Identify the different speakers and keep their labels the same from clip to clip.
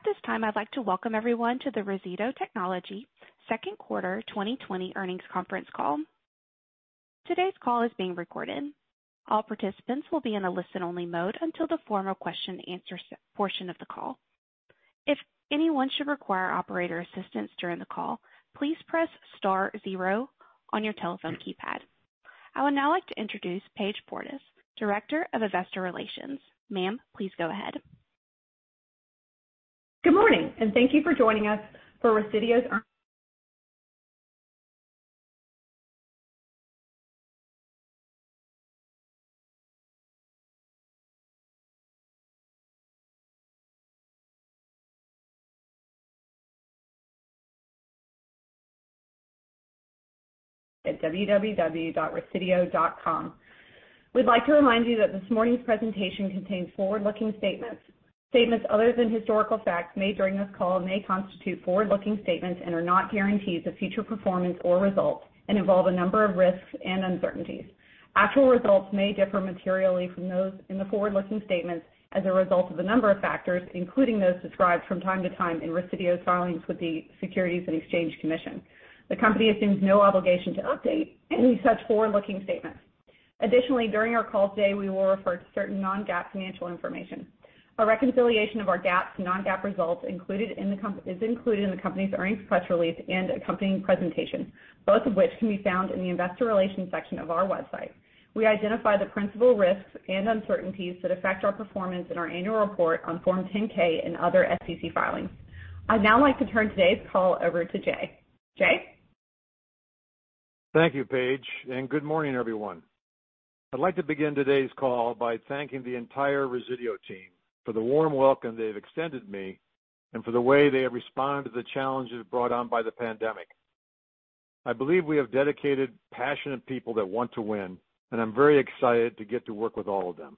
Speaker 1: At this time, I'd like to welcome everyone to the Resideo Technologies second quarter 2020 earnings conference call. Today's call is being recorded. All participants will be in a listen-only mode until the formal question answer portion of the call. If anyone should require operator assistance during the call, please press star zero on your telephone keypad. I would now like to introduce Page Portas, Director of Investor Relations. Ma'am, please go ahead.
Speaker 2: Good morning, thank you for joining us for Resideo's at www.resideo.com. We'd like to remind you that this morning's presentation contains forward-looking statements. Statements other than historical facts made during this call may constitute forward-looking statements and are not guarantees of future performance or results and involve a number of risks and uncertainties. Actual results may differ materially from those in the forward-looking statements as a result of a number of factors, including those described from time to time in Resideo's filings with the Securities and Exchange Commission. The company assumes no obligation to update any such forward-looking statements. During our call today, we will refer to certain non-GAAP financial information. A reconciliation of our GAAP to non-GAAP results is included in the company's earnings press release and accompanying presentation, both of which can be found in the investor relations section of our website. We identify the principal risks and uncertainties that affect our performance in our annual report on Form 10-K and other SEC filings. I'd now like to turn today's call over to Jay. Jay?
Speaker 3: Thank you, Page, and good morning, everyone. I'd like to begin today's call by thanking the entire Resideo team for the warm welcome they've extended me and for the way they have responded to the challenges brought on by the pandemic. I believe we have dedicated, passionate people that want to win, and I'm very excited to get to work with all of them.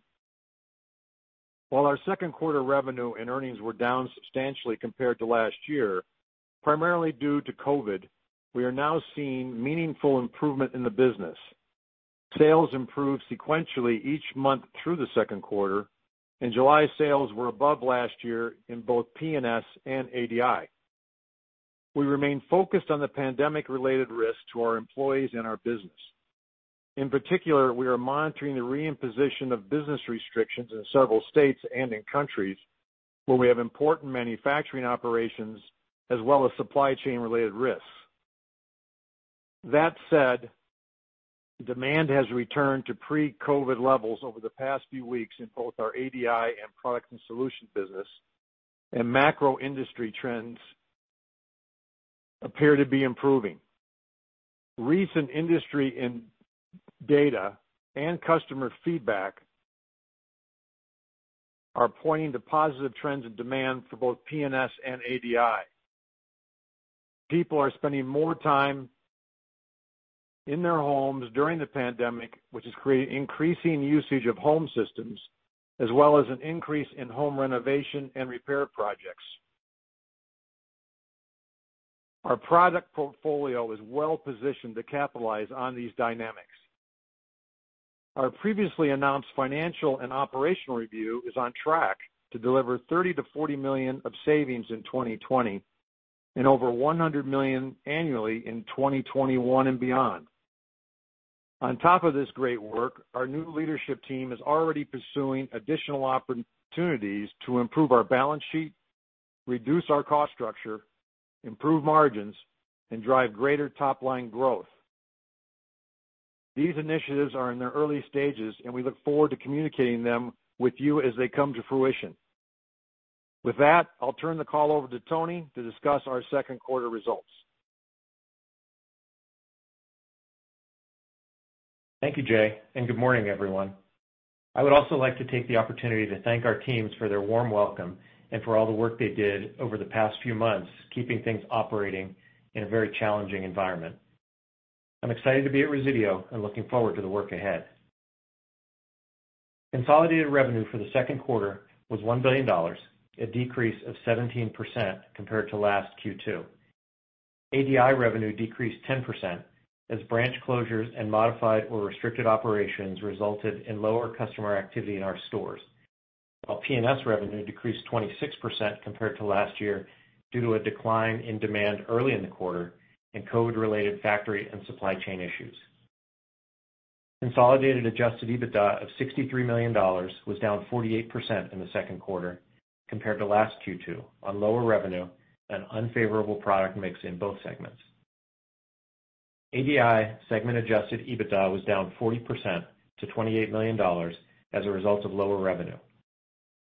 Speaker 3: While our second quarter revenue and earnings were down substantially compared to last year, primarily due to COVID, we are now seeing meaningful improvement in the business. Sales improved sequentially each month through the second quarter, and July sales were above last year in both P&S and ADI. We remain focused on the pandemic-related risks to our employees and our business. In particular, we are monitoring the reimposition of business restrictions in several states and in countries where we have important manufacturing operations as well as supply chain-related risks. That said, demand has returned to pre-COVID levels over the past few weeks in both our ADI and Products & Solutions business, and macro industry trends appear to be improving. Recent industry data and customer feedback are pointing to positive trends in demand for both P&S and ADI. People are spending more time in their homes during the pandemic, which is creating increasing usage of home systems as well as an increase in home renovation and repair projects. Our product portfolio is well-positioned to capitalize on these dynamics. Our previously announced financial and operational review is on track to deliver $30 million-$40 million of savings in 2020 and over $100 million annually in 2021 and beyond. On top of this great work, our new leadership team is already pursuing additional opportunities to improve our balance sheet, reduce our cost structure, improve margins, and drive greater top-line growth. These initiatives are in their early stages, and we look forward to communicating them with you as they come to fruition. With that, I'll turn the call over to Tony to discuss our second quarter results.
Speaker 4: Thank you, Jay. Good morning, everyone. I would also like to take the opportunity to thank our teams for their warm welcome and for all the work they did over the past few months, keeping things operating in a very challenging environment. I'm excited to be at Resideo and looking forward to the work ahead. Consolidated revenue for the second quarter was $1 billion, a decrease of 17% compared to last Q2. ADI revenue decreased 10% as branch closures and modified or restricted operations resulted in lower customer activity in our stores. P&S revenue decreased 26% compared to last year due to a decline in demand early in the quarter and COVID-related factory and supply chain issues. Consolidated adjusted EBITDA of $63 million was down 48% in the second quarter compared to last Q2 on lower revenue and unfavorable product mix in both segments. ADI segment adjusted EBITDA was down 40% to $28 million as a result of lower revenue.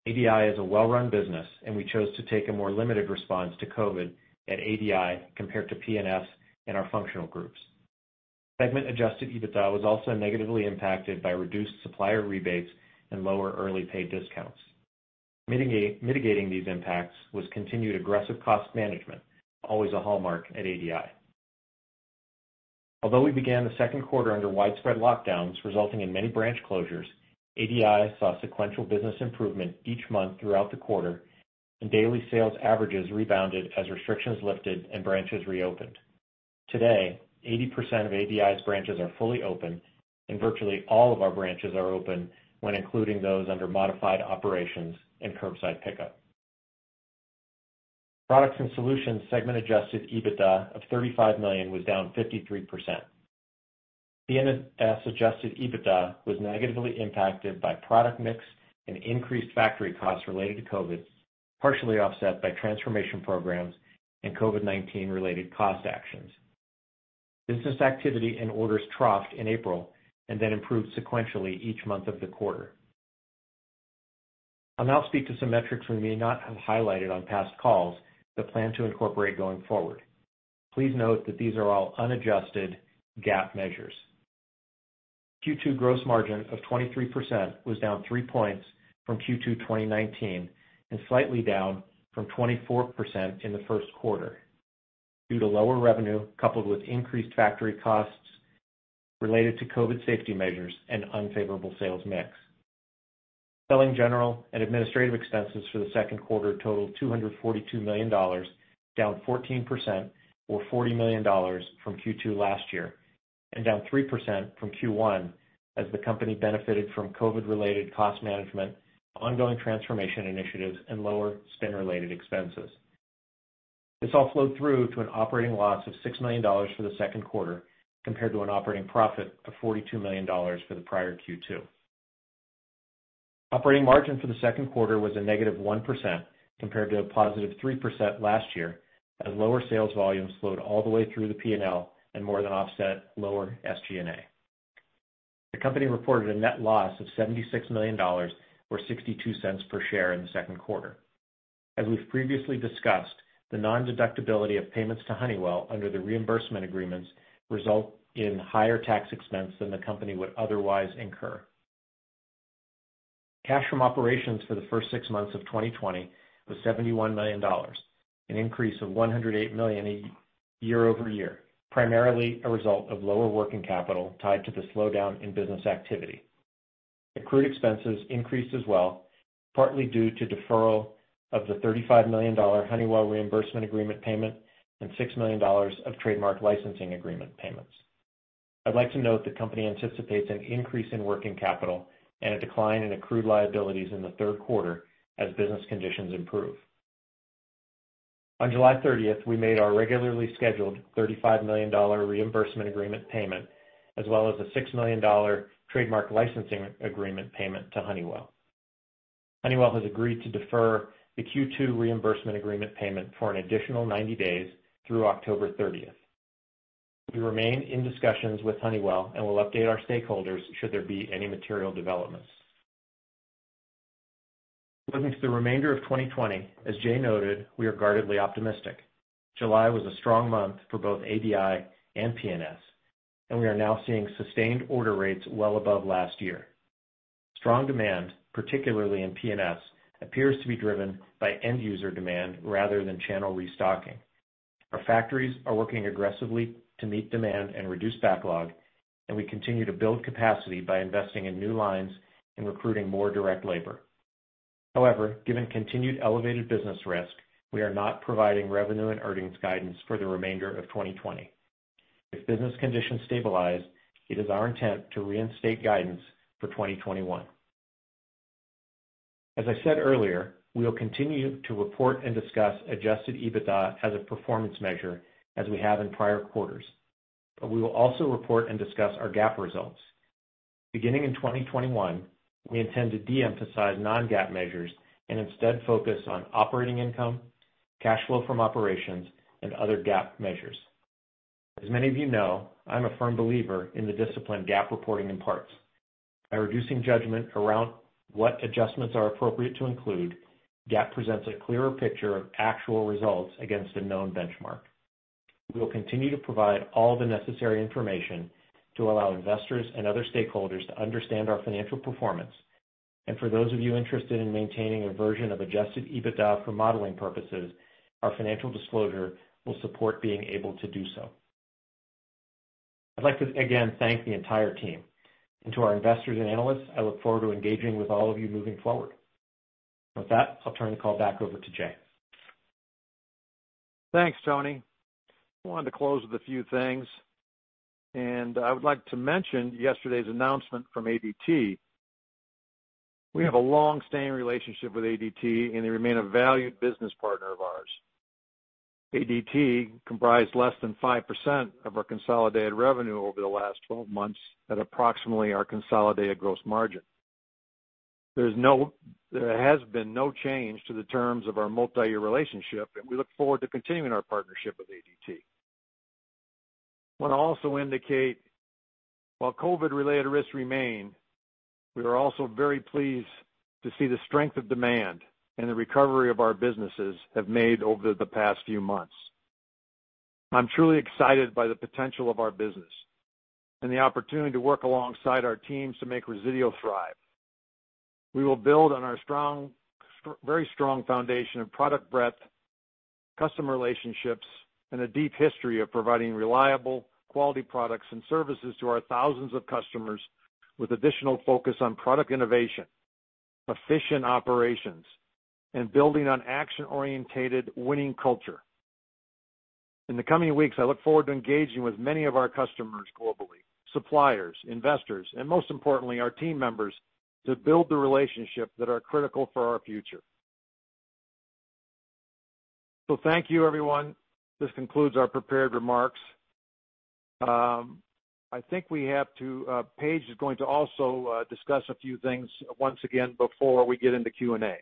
Speaker 4: ADI is a well-run business, and we chose to take a more limited response to COVID at ADI compared to P&S and our functional groups. Segment adjusted EBITDA was also negatively impacted by reduced supplier rebates and lower early pay discounts. Mitigating these impacts was continued aggressive cost management, always a hallmark at ADI. Although we began the second quarter under widespread lockdowns resulting in many branch closures, ADI saw sequential business improvement each month throughout the quarter, and daily sales averages rebounded as restrictions lifted and branches reopened. Today, 80% of ADI's branches are fully open, and virtually all of our branches are open when including those under modified operations and curbside pickup. Products and Solutions segment adjusted EBITDA of $35 million was down 53%. P&S adjusted EBITDA was negatively impacted by product mix and increased factory costs related to COVID, partially offset by transformation programs and COVID-19 related cost actions. Business activity and orders troughed in April and then improved sequentially each month of the quarter. I'll now speak to some metrics we may not have highlighted on past calls but plan to incorporate going forward. Please note that these are all unadjusted GAAP measures. Q2 gross margin of 23% was down three points from Q2 2019 and slightly down from 24% in the first quarter due to lower revenue, coupled with increased factory costs related to COVID safety measures and unfavorable sales mix. Selling, general, and administrative expenses for the second quarter totaled $242 million, down 14%, or $40 million from Q2 last year, and down 3% from Q1 as the company benefited from COVID-related cost management, ongoing transformation initiatives, and lower spin-related expenses. This all flowed through to an operating loss of $6 million for the second quarter, compared to an operating profit of $42 million for the prior Q2. Operating margin for the second quarter was a -1%, compared to a +3% last year, as lower sales volumes flowed all the way through the P&L and more than offset lower SG&A. The company reported a net loss of $76 million, or $0.62 per share, in the second quarter. As we've previously discussed, the nondeductibility of payments to Honeywell under the reimbursement agreements result in higher tax expense than the company would otherwise incur. Cash from operations for the first six months of 2020 was $71 million, an increase of $108 million year-over-year, primarily a result of lower working capital tied to the slowdown in business activity. Accrued expenses increased as well, partly due to deferral of the $35 million Honeywell reimbursement agreement payment and $6 million of trademark licensing agreement payments. I'd like to note the company anticipates an increase in working capital and a decline in accrued liabilities in the third quarter as business conditions improve. On July 30th, we made our regularly scheduled $35 million reimbursement agreement payment, as well as a $6 million trademark licensing agreement payment to Honeywell. Honeywell has agreed to defer the Q2 reimbursement agreement payment for an additional 90 days through October 30th. We remain in discussions with Honeywell and will update our stakeholders should there be any material developments. Looking to the remainder of 2020, as Jay noted, we are guardedly optimistic. July was a strong month for both ADI and PNS, and we are now seeing sustained order rates well above last year. Strong demand, particularly in PNS, appears to be driven by end-user demand rather than channel restocking. Our factories are working aggressively to meet demand and reduce backlog, and we continue to build capacity by investing in new lines and recruiting more direct labor. However, given continued elevated business risk, we are not providing revenue and earnings guidance for the remainder of 2020. If business conditions stabilize, it is our intent to reinstate guidance for 2021. As I said earlier, we will continue to report and discuss adjusted EBITDA as a performance measure, as we have in prior quarters, but we will also report and discuss our GAAP results. Beginning in 2021, we intend to de-emphasize non-GAAP measures and instead focus on operating income, cash flow from operations, and other GAAP measures. As many of you know, I'm a firm believer in the discipline of GAAP reporting in parts. By reducing judgment around what adjustments are appropriate to include, GAAP presents a clearer picture of actual results against a known benchmark. We will continue to provide all the necessary information to allow investors and other stakeholders to understand our financial performance. For those of you interested in maintaining a version of adjusted EBITDA for modeling purposes, our financial disclosure will support being able to do so. I'd like to again thank the entire team. To our investors and analysts, I look forward to engaging with all of you moving forward. With that, I'll turn the call back over to Jay.
Speaker 3: Thanks, Tony. I wanted to close with a few things, and I would like to mention yesterday's announcement from ADT. We have a long-standing relationship with ADT, and they remain a valued business partner of ours. ADT comprised less than 5% of our consolidated revenue over the last 12 months at approximately our consolidated gross margin. There has been no change to the terms of our multi-year relationship, and we look forward to continuing our partnership with ADT. I want to also indicate, while COVID-related risks remain, we are also very pleased to see the strength of demand and the recovery our businesses have made over the past few months. I'm truly excited by the potential of our business and the opportunity to work alongside our teams to make Resideo thrive. We will build on our very strong foundation of product breadth, customer relationships, and a deep history of providing reliable, quality products and services to our thousands of customers with additional focus on product innovation, efficient operations and building on action-oriented winning culture. In the coming weeks, I look forward to engaging with many of our customers globally, suppliers, investors, and most importantly, our team members, to build the relationships that are critical for our future. Thank you, everyone. This concludes our prepared remarks. I think Page is going to also discuss a few things once again before we get into Q&A.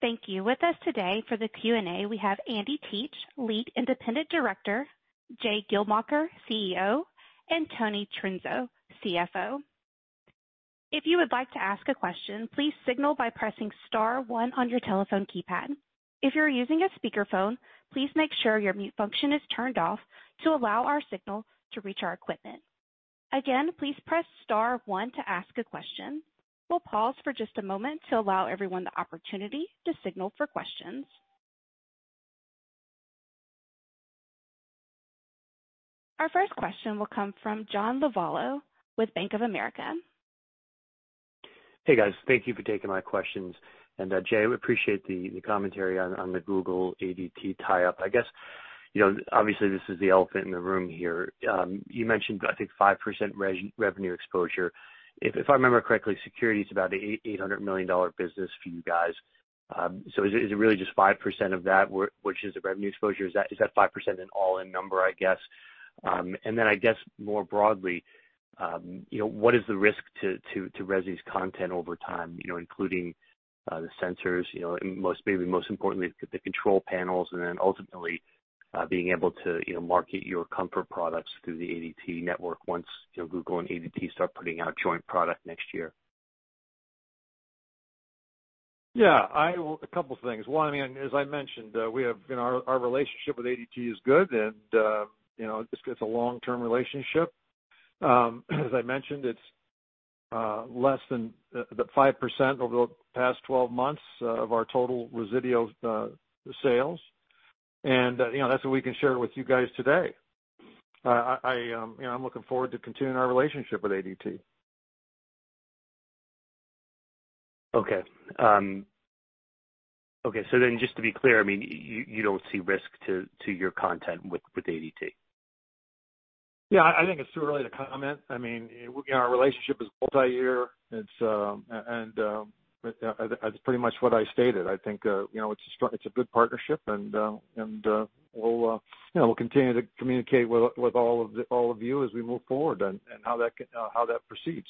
Speaker 1: Thank you. With us today for the Q&A, we have Andy Teich, Lead Independent Director, Jay Geldmacher, CEO, and Tony Trunzo, CFO. If you would like to ask a question, please signal by pressing star one on your telephone keypad. If you're using a speakerphone, please make sure your mute function is turned off to allow our signal to reach our equipment. Again, please press star one to ask a question. We'll pause for just a moment to allow everyone the opportunity to signal for questions. Our first question will come from John Lovallo with Bank of America.
Speaker 5: Hey, guys. Thank you for taking my questions. Jay, I appreciate the commentary on the Google ADT tie-up. Obviously, this is the elephant in the room here. You mentioned 5% revenue exposure. If I remember correctly, security is about $800 million business for you guys. Is it really just 5% of that, which is the revenue exposure? Is that 5% an all-in number? More broadly, what is the risk to Resi's content over time, including the sensors, maybe most importantly, the control panels, and then ultimately, being able to market your comfort products through the ADT network once Google and ADT start putting out joint product next year?
Speaker 3: Yeah. A couple things. One, as I mentioned, our relationship with ADT is good and this is a long-term relationship. As I mentioned, it's less than the 5% over the past 12 months of our total Resideo sales. That's what we can share with you guys today. I'm looking forward to continuing our relationship with ADT.
Speaker 5: Just to be clear, you don't see risk to your content with ADT?
Speaker 3: Yeah, I think it's too early to comment. Our relationship is multi-year. That's pretty much what I stated. I think it's a good partnership, and we'll continue to communicate with all of you as we move forward and how that proceeds.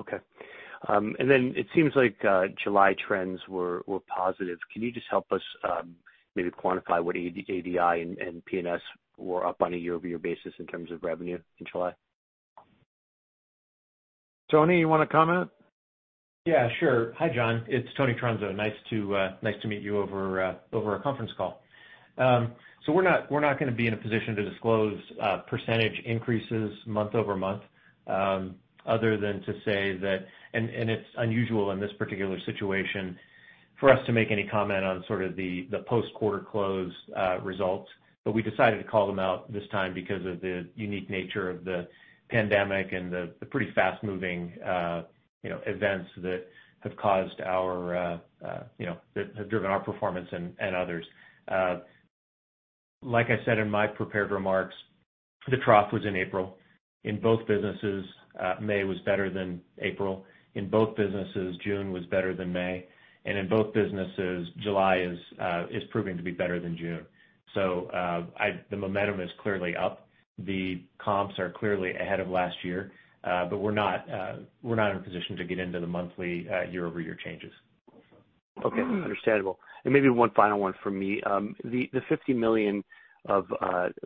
Speaker 5: Okay. Then it seems like July trends were positive. Can you just help us maybe quantify what ADI and P&S were up on a year-over-year basis in terms of revenue in July?
Speaker 3: Tony, you want to comment?
Speaker 4: Yeah, sure. Hi, John. It's Tony Trunzo. Nice to meet you over a conference call. We're not going to be in a position to disclose percentage increases month-over-month, other than to say that And it's unusual in this particular situation for us to make any comment on sort of the post-quarter close results. We decided to call them out this time because of the unique nature of the pandemic and the pretty fast-moving events that have driven our performance and others. Like I said in my prepared remarks, the trough was in April. In both businesses, May was better than April. In both businesses, June was better than May. In both businesses, July is proving to be better than June. The momentum is clearly up. The comps are clearly ahead of last year. We're not in a position to get into the monthly year-over-year changes.
Speaker 5: Okay. Understandable. Maybe one final one for me. The $50 million of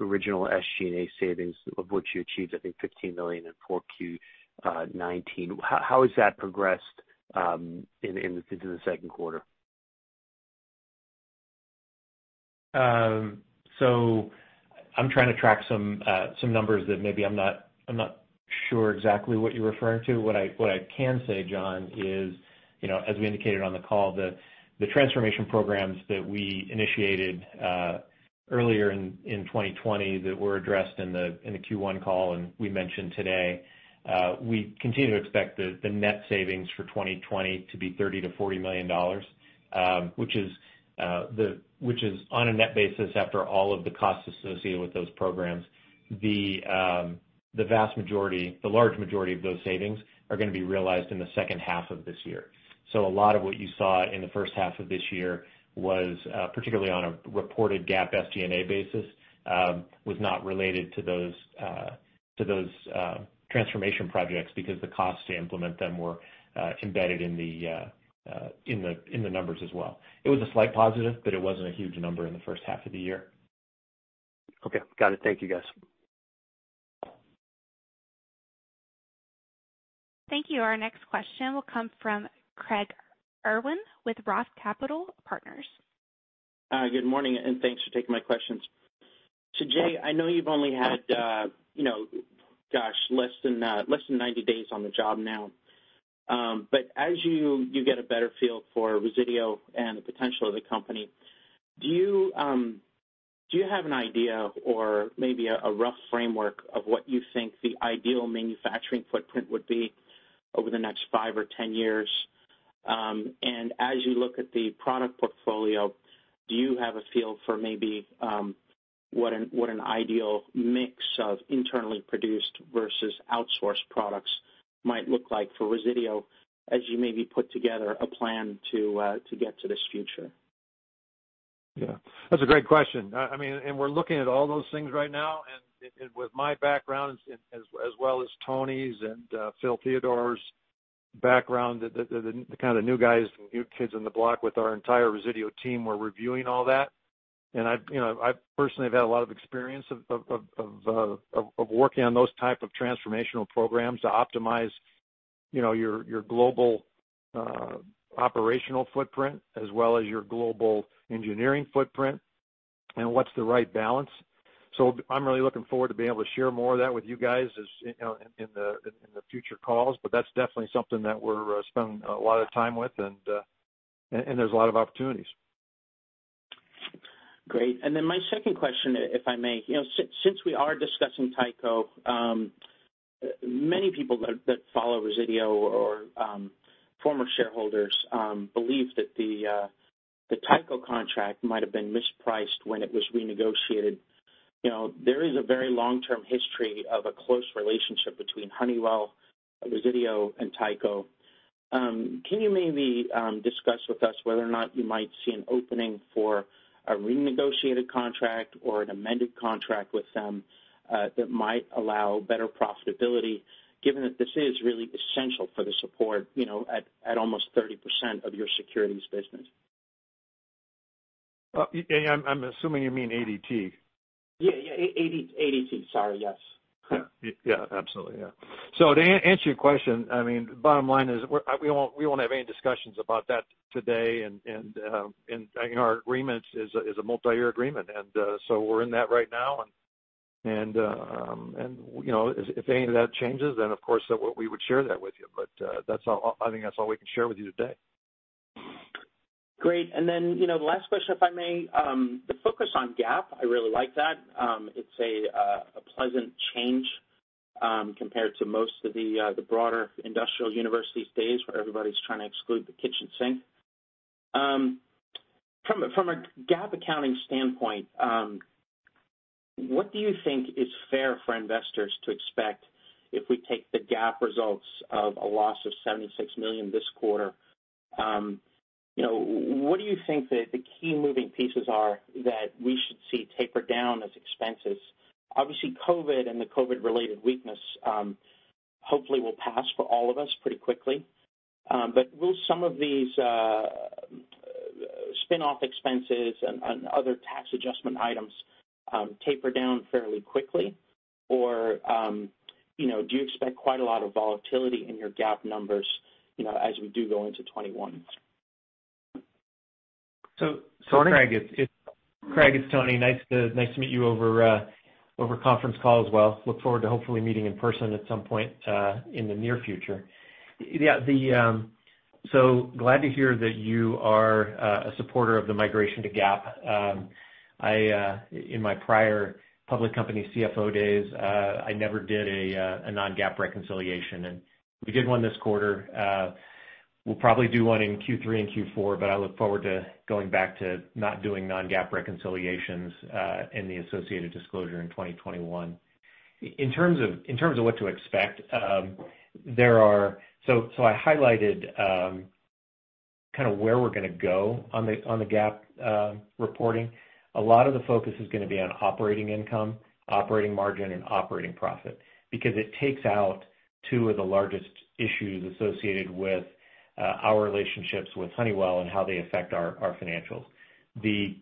Speaker 5: original SG&A savings of which you achieved, I think $15 million in 4Q 2019. How has that progressed into the second quarter?
Speaker 4: I'm trying to track some numbers that maybe I'm not sure exactly what you're referring to. What I can say, John, is, as we indicated on the call, the transformation programs that we initiated earlier in 2020 that were addressed in the Q1 call and we mentioned today, we continue to expect the net savings for 2020 to be $30 million-$40 million, which is on a net basis after all of the costs associated with those programs. The vast majority, the large majority of those savings are going to be realized in the second half of this year. A lot of what you saw in the first half of this year was, particularly on a reported GAAP SG&A basis, was not related to those transformation projects because the costs to implement them were embedded in the numbers as well. It was a slight positive, but it wasn't a huge number in the first half of the year.
Speaker 5: Okay. Got it. Thank you, guys.
Speaker 1: Thank you. Our next question will come from Craig Irwin with Roth Capital Partners.
Speaker 6: Good morning, and thanks for taking my questions. Jay, I know you've only had less than 90 days on the job now. As you get a better feel for Resideo and the potential of the company, do you have an idea or maybe a rough framework of what you think the ideal manufacturing footprint would be over the next five or 10 years? As you look at the product portfolio, do you have a feel for maybe what an ideal mix of internally produced versus outsourced products might look like for Resideo, as you maybe put together a plan to get to this future?
Speaker 3: Yeah. That's a great question. We're looking at all those things right now, and with my background as well as Tony's and Phil Theodore's background, the kind of new guys, the new kids on the block with our entire Resideo team, we're reviewing all that. I personally have had a lot of experience of working on those type of transformational programs to optimize your global operational footprint as well as your global engineering footprint and what's the right balance. I'm really looking forward to being able to share more of that with you guys in the future calls. That's definitely something that we're spending a lot of time with, and there's a lot of opportunities.
Speaker 6: Great. My second question, if I may. Since we are discussing Tyco, many people that follow Resideo or former shareholders believe that the Tyco contract might have been mispriced when it was renegotiated. There is a very long-term history of a close relationship between Honeywell, Resideo, and Tyco. Can you maybe discuss with us whether or not you might see an opening for a renegotiated contract or an amended contract with them that might allow better profitability, given that this is really essential for the support at almost 30% of your securities business?
Speaker 3: I'm assuming you mean ADT.
Speaker 6: Yeah. ADT, sorry. Yes.
Speaker 3: Yeah. Absolutely. To answer your question, bottom line is we won't have any discussions about that today. Our agreement is a multi-year agreement. We're in that right now. If any of that changes, of course, we would share that with you. I think that's all we can share with you today.
Speaker 6: Great. Last question, if I may. The focus on GAAP, I really like that. It's a pleasant change compared to most of the broader industrial universe these days, where everybody's trying to exclude the kitchen sink. From a GAAP accounting standpoint, what do you think is fair for investors to expect if we take the GAAP results of a loss of $76 million this quarter? What do you think that the key moving pieces are that we should see taper down as expenses? Obviously, COVID and the COVID-related weakness hopefully will pass for all of us pretty quickly. Will some of these spinoff expenses and other tax adjustment items taper down fairly quickly? Do you expect quite a lot of volatility in your GAAP numbers as we do go into 2021?
Speaker 3: Tony?
Speaker 4: Craig. It's Tony. Nice to meet you over a conference call as well. Look forward to hopefully meeting in person at some point in the near future. Glad to hear that you are a supporter of the migration to GAAP. In my prior public company CFO days, I never did a non-GAAP reconciliation, and we did one this quarter. We'll probably do one in Q3 and Q4, but I look forward to going back to not doing non-GAAP reconciliations and the associated disclosure in 2021. In terms of what to expect, I highlighted kind of where we're going to go on the GAAP reporting. A lot of the focus is going to be on operating income, operating margin, and operating profit because it takes out two of the largest issues associated with our relationships with Honeywell and how they affect our financials. The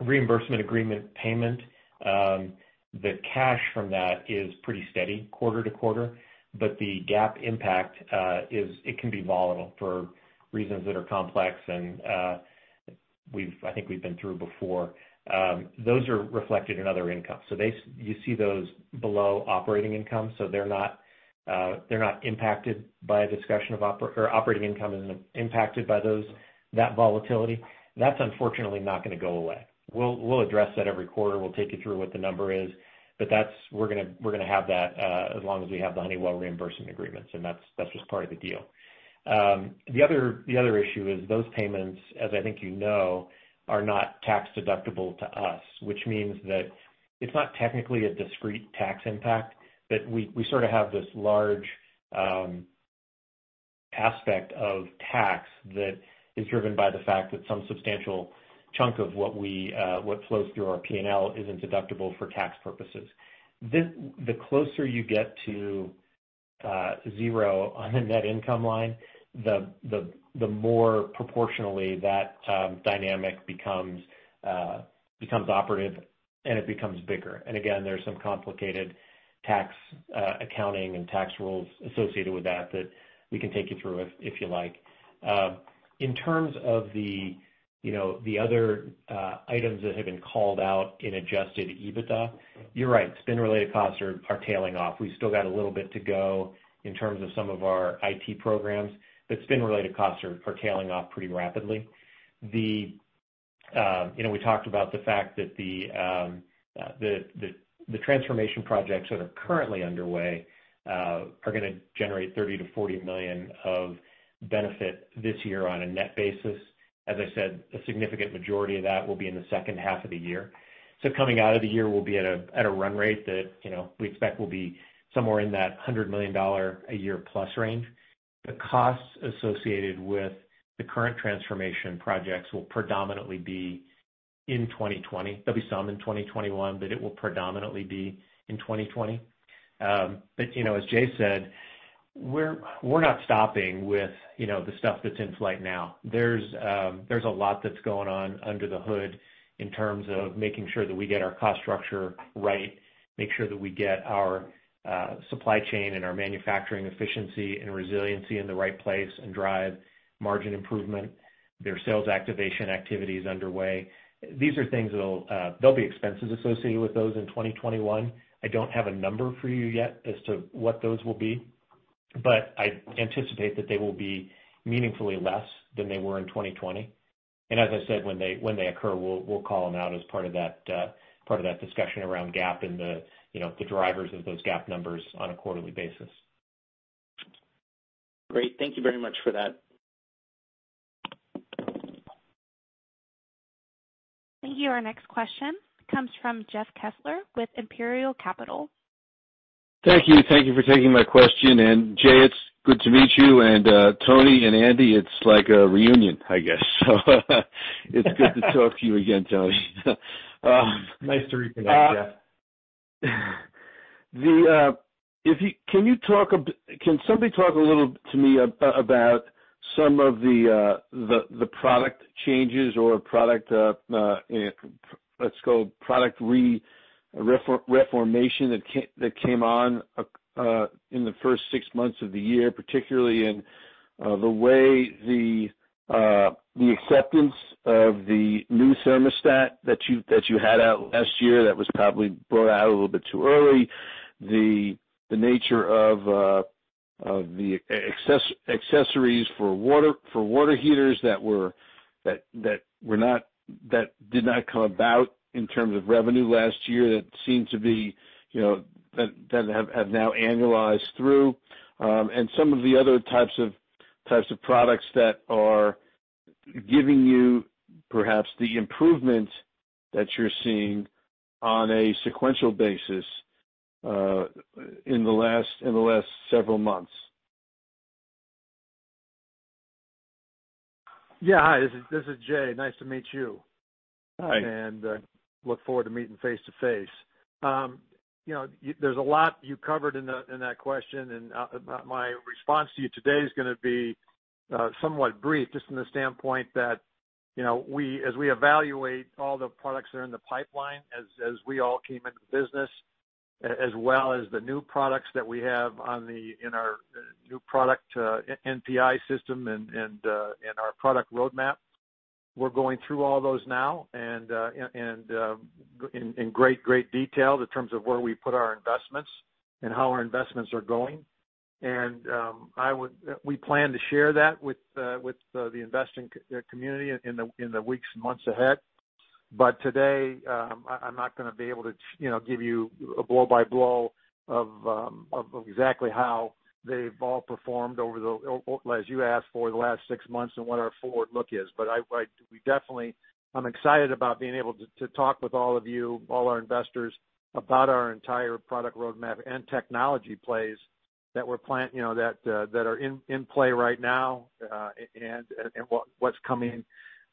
Speaker 4: reimbursement agreement payment, the cash from that is pretty steady quarter to quarter. The GAAP impact, it can be volatile for reasons that are complex and I think we've been through before. Those are reflected in other income. You see those below operating income, so operating income isn't impacted by that volatility. That's unfortunately not going to go away. We'll address that every quarter. We'll take you through what the number is. We're going to have that as long as we have the Honeywell reimbursement agreements, and that's just part of the deal. The other issue is those payments, as I think you know, are not tax-deductible to us, which means that it's not technically a discrete tax impact. We sort of have this large aspect of tax that is driven by the fact that some substantial chunk of what flows through our P&L isn't deductible for tax purposes. The closer you get to zero on the net income line, the more proportionally that dynamic becomes operative, and it becomes bigger. Again, there's some complicated tax accounting and tax rules associated with that that we can take you through if you like. In terms of the other items that have been called out in adjusted EBITDA, you're right. Spin-related costs are tailing off. We've still got a little bit to go in terms of some of our IT programs, but spin-related costs are tailing off pretty rapidly. We talked about the fact that the transformation projects that are currently underway are going to generate $30 million-$40 million of benefit this year on a net basis. As I said, a significant majority of that will be in the second half of the year. Coming out of the year, we'll be at a run rate that we expect will be somewhere in that $100 million a year plus range. The costs associated with the current transformation projects will predominantly be in 2020. There'll be some in 2021, but it will predominantly be in 2020. As Jay said, we're not stopping with the stuff that's in flight now. There's a lot that's going on under the hood in terms of making sure that we get our cost structure right, make sure that we get our supply chain and our manufacturing efficiency and resiliency in the right place and drive margin improvement. There are sales activation activities underway. There'll be expenses associated with those in 2021. I don't have a number for you yet as to what those will be, but I anticipate that they will be meaningfully less than they were in 2020. As I said, when they occur, we'll call them out as part of that discussion around GAAP and the drivers of those GAAP numbers on a quarterly basis.
Speaker 6: Great. Thank you very much for that.
Speaker 1: Thank you. Our next question comes from Jeff Kessler with Imperial Capital.
Speaker 7: Thank you for taking my question. Jay, it's good to meet you, and Tony and Andy, it's like a reunion, I guess. It's good to talk to you again, Tony.
Speaker 4: Nice to reconnect, Jeff.
Speaker 7: Can somebody talk a little to me about some of the product changes or product reformation that came on in the first six months of the year, particularly in the way the acceptance of the new thermostat that you had out last year that was probably brought out a little bit too early, the nature of the accessories for water heaters that did not come about in terms of revenue last year that have now annualized through, and some of the other types of products that are giving you perhaps the improvement that you're seeing on a sequential basis in the last several months.
Speaker 3: Yeah. Hi, this is Jay. Nice to meet you.
Speaker 7: Hi.
Speaker 3: Look forward to meeting face-to-face. There's a lot you covered in that question, and my response to you today is going to be somewhat brief, just from the standpoint that as we evaluate all the products that are in the pipeline as we all came into the business, as well as the new products that we have in our new product NPI system and our product roadmap, we're going through all those now and in great detail in terms of where we put our investments and how our investments are going. We plan to share that with the investing community in the weeks and months ahead. Today, I'm not going to be able to give you a blow-by-blow of exactly how they've all performed over the, as you asked for, the last six months and what our forward look is. I'm excited about being able to talk with all of you, all our investors, about our entire product roadmap and technology plays that are in play right now, and what's coming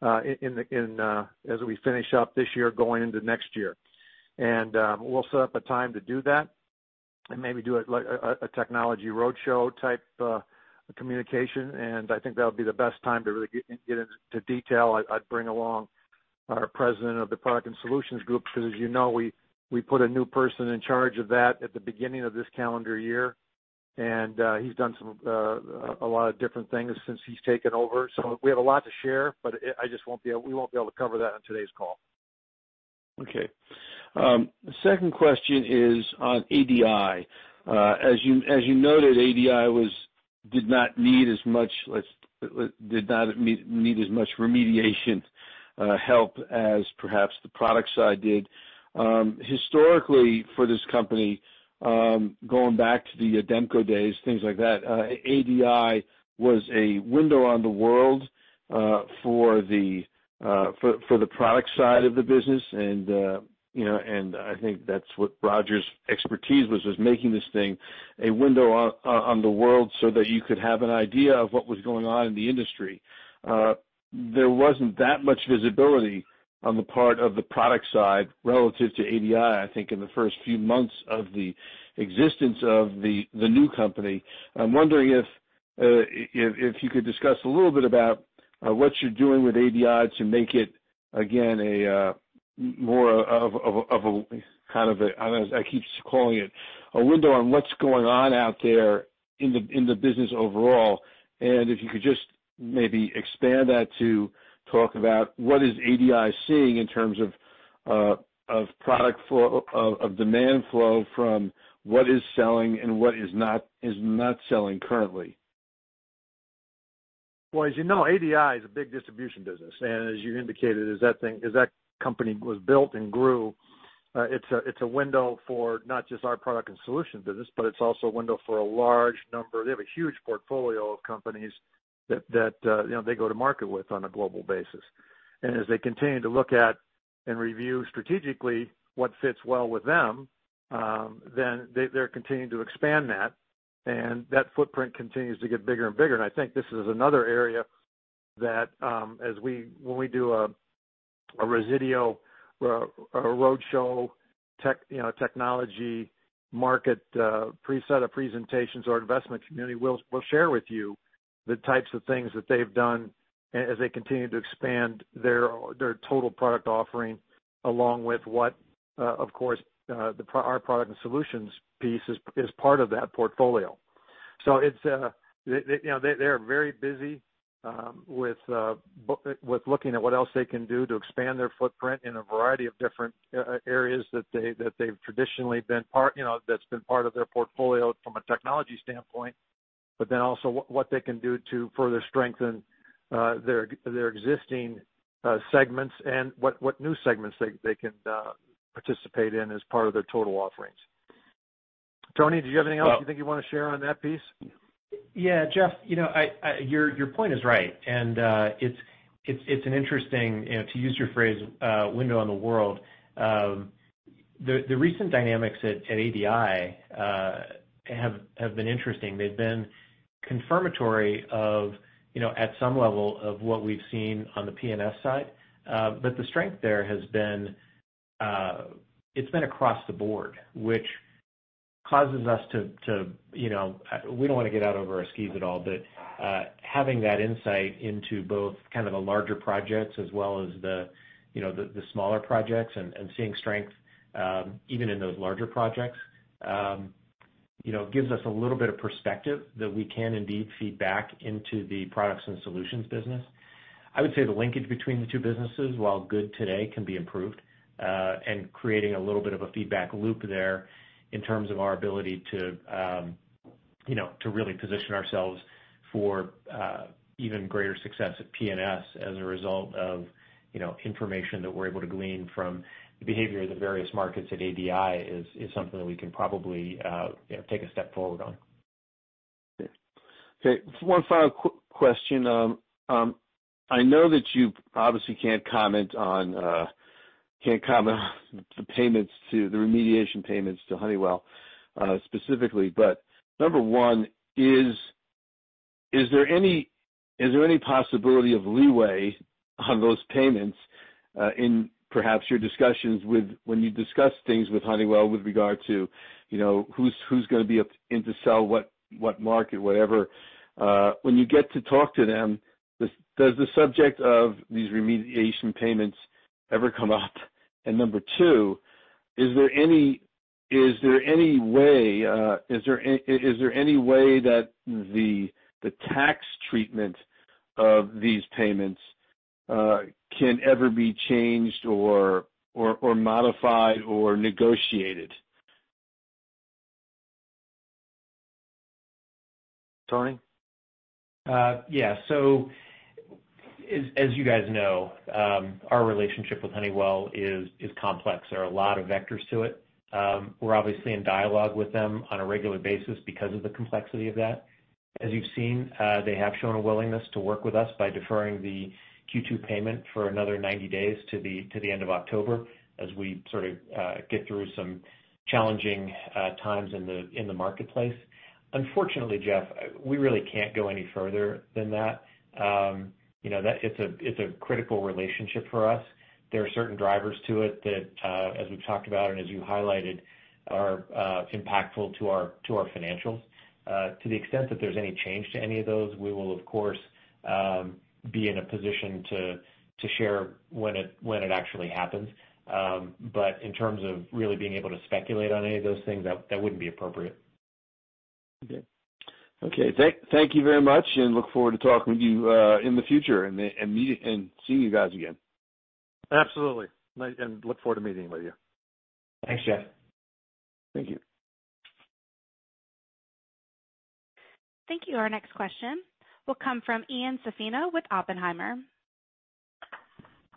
Speaker 3: as we finish up this year going into next year. We'll set up a time to do that and maybe do a technology roadshow type communication, and I think that'll be the best time to really get into detail. I'd bring along our president of the Products & Solutions group, because as you know, we put a new person in charge of that at the beginning of this calendar year, and he's done a lot of different things since he's taken over. We have a lot to share, but we won't be able to cover that on today's call.
Speaker 7: Okay. Second question is on ADI. As you noted, ADI did not need as much remediation help as perhaps the product side did. Historically, for this company, going back to the Ademco days, things like that, ADI was a window on the world for the product side of the business, and I think that's what Roger's expertise was making this thing a window on the world so that you could have an idea of what was going on in the industry. There wasn't that much visibility on the part of the product side relative to ADI, I think, in the first few months of the existence of the new company. I'm wondering if you could discuss a little bit about what you're doing with ADI to make it, again, more of a kind of, I keep calling it a window on what's going on out there in the business overall. If you could just maybe expand that to talk about what is ADI seeing in terms of demand flow from what is selling and what is not selling currently?
Speaker 3: As you know, ADI is a big distribution business. As you indicated, as that company was built and grew, it's a window for not just our Products & Solutions business, but it's also a window for a large number. They have a huge portfolio of companies that they go to market with on a global basis. As they continue to look at and review strategically what fits well with them, they're continuing to expand that footprint continues to get bigger and bigger. I think this is another area that when we do a Resideo roadshow technology market preset of presentations, our investment community will share with you the types of things that they've done as they continue to expand their total product offering, along with what, of course, our Products & Solutions piece is part of that portfolio. They're very busy with looking at what else they can do to expand their footprint in a variety of different areas that's been part of their portfolio from a technology standpoint, but then also what they can do to further strengthen their existing segments and what new segments they can participate in as part of their total offerings. Tony, did you have anything else you think you want to share on that piece?
Speaker 4: Yeah, Jeff, your point is right, and it's an interesting, to use your phrase, window on the world. The recent dynamics at ADI have been interesting. They've been confirmatory at some level of what we've seen on the P&S side. The strength there has been across the board, which we don't want to get out over our skis at all, but having that insight into both kind of the larger projects as well as the smaller projects and seeing strength even in those larger projects gives us a little bit of perspective that we can indeed feed back into the Products & Solutions business. I would say the linkage between the two businesses, while good today, can be improved. Creating a little bit of a feedback loop there in terms of our ability to really position ourselves for even greater success at P&S as a result of information that we're able to glean from the behavior of the various markets at ADI is something that we can probably take a step forward on.
Speaker 7: Okay. One final quick question. I know that you obviously can't comment on the remediation payments to Honeywell specifically, but number one, is there any possibility of leeway on those payments in perhaps your discussions when you discuss things with Honeywell with regard to who's going to be in to sell what market, whatever. When you get to talk to them, does the subject of these remediation payments ever come up? Number two, is there any way that the tax treatment of these payments can ever be changed or modified or negotiated?
Speaker 3: Tony?
Speaker 4: As you guys know, our relationship with Honeywell is complex. There are a lot of vectors to it. We're obviously in dialogue with them on a regular basis because of the complexity of that. As you've seen, they have shown a willingness to work with us by deferring the Q2 payment for another 90 days to the end of October as we sort of get through some challenging times in the marketplace. Unfortunately, Jeff, we really can't go any further than that. It's a critical relationship for us. There are certain drivers to it that, as we've talked about and as you highlighted, are impactful to our financials. To the extent that there's any change to any of those, we will of course, be in a position to share when it actually happens. In terms of really being able to speculate on any of those things, that wouldn't be appropriate.
Speaker 7: Okay. Thank you very much. Look forward to talking with you in the future and seeing you guys again.
Speaker 3: Absolutely. Look forward to meeting with you.
Speaker 4: Thanks, Jeff.
Speaker 7: Thank you.
Speaker 1: Thank you. Our next question will come from Ian Zaffino with Oppenheimer.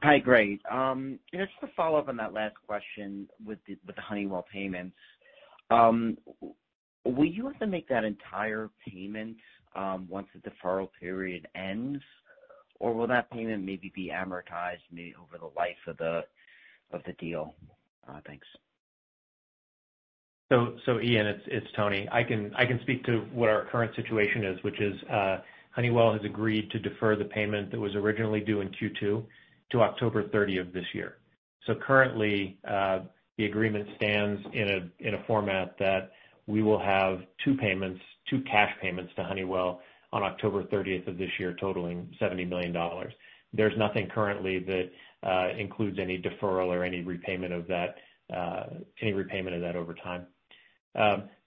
Speaker 8: Hi. Great. Just a follow-up on that last question with the Honeywell payments. Will you have to make that entire payment once the deferral period ends, or will that payment maybe be amortized maybe over the life of the deal? Thanks.
Speaker 4: Ian, it's Tony. I can speak to what our current situation is, which is Honeywell has agreed to defer the payment that was originally due in Q2 to October 30 of this year. Currently, the agreement stands in a format that we will have two cash payments to Honeywell on October 30th of this year totaling $70 million. There's nothing currently that includes any deferral or any repayment of that over time.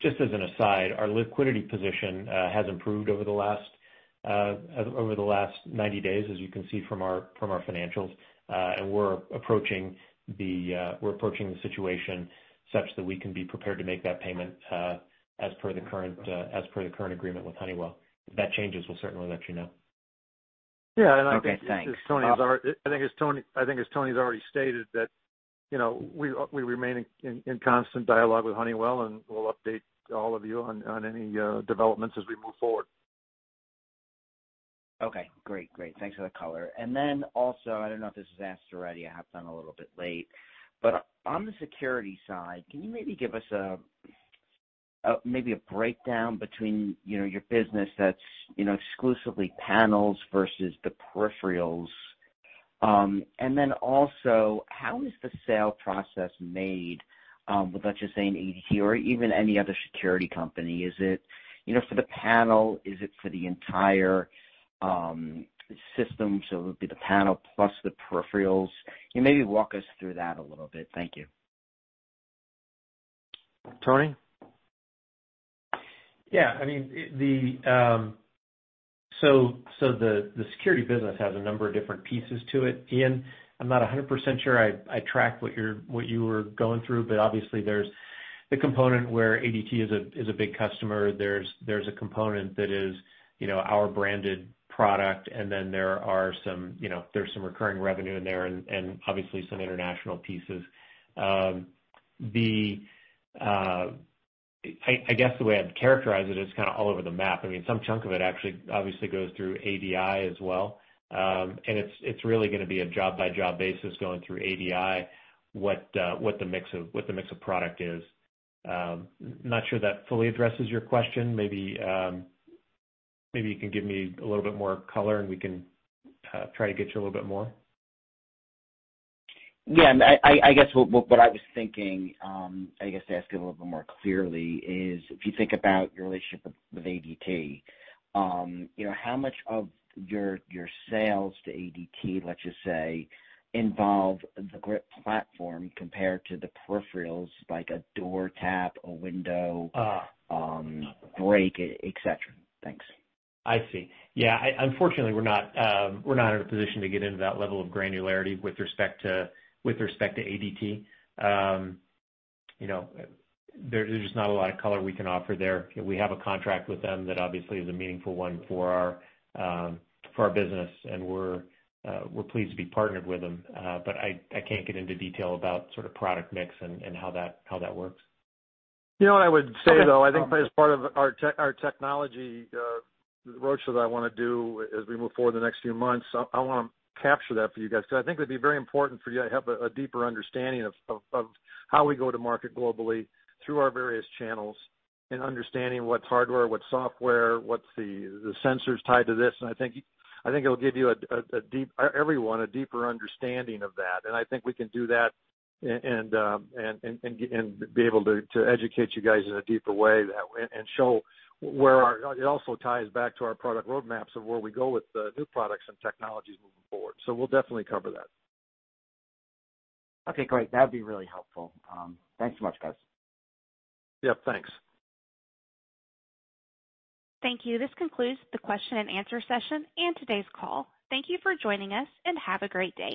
Speaker 4: Just as an aside, our liquidity position has improved over the last 90 days, as you can see from our financials. We're approaching the situation such that we can be prepared to make that payment as per the current agreement with Honeywell. If that changes, we'll certainly let you know.
Speaker 3: Yeah. I think as Tony's already stated that we remain in constant dialogue with Honeywell, and we'll update all of you on any developments as we move forward.
Speaker 8: Okay, great. Thanks for the color. Then also, I don't know if this was asked already. I hopped on a little bit late. On the security side, can you maybe give us maybe a breakdown between your business that's exclusively panels versus the peripherals? Then also, how is the sale process made with, let's just say an ADT or even any other security company? Is it for the panel? Is it for the entire system, so it would be the panel plus the peripherals? Can you maybe walk us through that a little bit? Thank you.
Speaker 3: Tony?
Speaker 4: The security business has a number of different pieces to it. Ian, I'm not 100% sure I track what you were going through, but obviously there's the component where ADT is a big customer. There's a component that is our branded product, and then there's some recurring revenue in there and obviously some international pieces. I guess the way I'd characterize it is kind of all over the map. Some chunk of it actually obviously goes through ADI as well. It's really going to be a job-by-job basis going through ADI, what the mix of product is. I'm not sure that fully addresses your question. Maybe you can give me a little bit more color, and we can try to get you a little bit more.
Speaker 8: Yeah, I guess what I was thinking, I guess to ask it a little bit more clearly, is if you think about your relationship with ADT, how much of your sales to ADT, let's just say, involve the GRIP platform compared to the peripherals like a door tap, a window break, et cetera. Thanks.
Speaker 4: I see. Yeah, unfortunately, we're not in a position to get into that level of granularity with respect to ADT. There's just not a lot of color we can offer there. We have a contract with them that obviously is a meaningful one for our business, and we're pleased to be partnered with them. I can't get into detail about sort of product mix and how that works.
Speaker 3: You know what I would say, though, I think as part of our technology roadmap that I want to do as we move forward in the next few months, I want to capture that for you guys. I think it'd be very important for you to have a deeper understanding of how we go to market globally through our various channels and understanding what's hardware, what's software, what's the sensors tied to this. I think it'll give everyone a deeper understanding of that. I think we can do that and be able to educate you guys in a deeper way and show where it also ties back to our product roadmaps of where we go with new products and technologies moving forward. We'll definitely cover that.
Speaker 8: Okay, great. That'd be really helpful. Thanks so much, guys.
Speaker 3: Yeah, thanks.
Speaker 1: Thank you. This concludes the question and answer session and today's call. Thank you for joining us, and have a great day